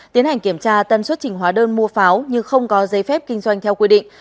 tiến hành kiểm tra tân xuất trình hóa đơn mua pháo nhưng không có giấy phép kinh doanh theo quy định